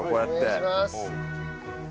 お願いします。